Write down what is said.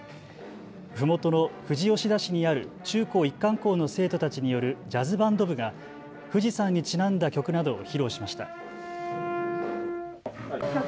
ふもとの富士吉田市にある中高一貫校の生徒たちによるジャズバンド部が富士山にちなんだ曲などを披露しました。